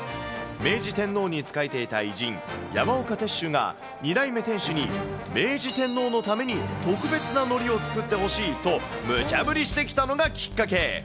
明治天皇に仕えていた偉人、山岡鉄舟が２代目店主に、明治天皇のために特別な海苔を作ってほしいと、むちゃ振りしてきたのがきっかけ。